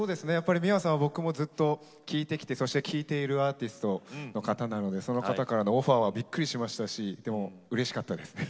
ｍｉｗａさんは、ずっと聴いてきたアーティストの方なのでその方からのオファーはびっくりしましたしでもうれしかったです。